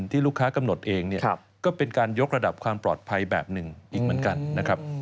ที่ลูกค้ากำหนดเองเนี่ยก็เป็นการยกระดับความปลอดภัยแบบหนึ่งอีกเหมือนกันนะครับ